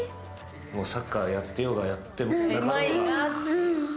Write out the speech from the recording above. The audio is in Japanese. サッカーやってようがやってまいが。